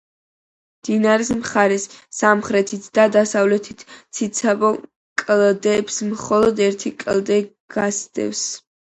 მდინარის მხარეს სამხრეთით და დასავლეთით ციცაბო კლდეებს მხოლოდ ერთი კედელი გასდევს.